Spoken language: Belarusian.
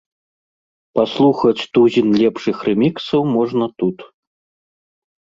Паслухаць тузін лепшых рэміксаў можна тут.